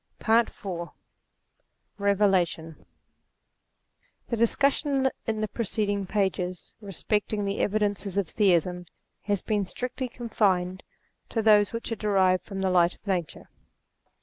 PAET IY i BEVELATION discussion in the preceding pages respecting the evidences of Theism has been strictly con fined to those which are derived from the light of Nature.